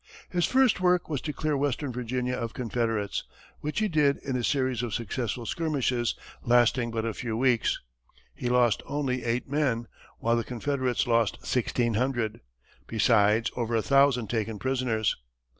His first work was to clear western Virginia of Confederates, which he did in a series of successful skirmishes, lasting but a few weeks. He lost only eight men, while the Confederates lost sixteen hundred, besides over a thousand taken prisoners.